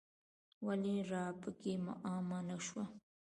ولې راپکې عامه نه شوه.